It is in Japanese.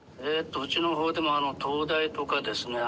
うちの方でも灯台とかですね